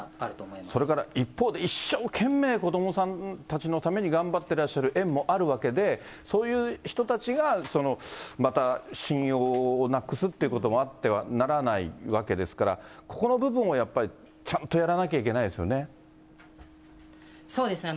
それから一方で一生懸命、子どもさんたちのために頑張ってらっしゃる園もあるわけで、そういう人たちが、また信用をなくすってこともあってはならないわけですから、ここの部分をやっぱり、ちゃんとやらなきゃいけないですそうですね。